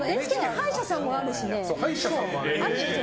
歯医者さんもあるし。